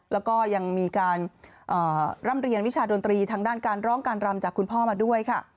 แล้วก็ยังมีการร่ำเรียงวิชาดนตรีทางด้านการร้องการรำจากคุณพ่อมาด้วยค่ะ